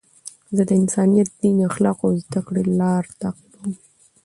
زه د انسانیت، دین، اخلاقو او زدهکړي لار تعقیبوم.